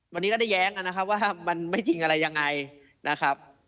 วันนี้ก็ได้แย้งกันนะครับว่ามันไม่จริงอะไรยังไงนะครับ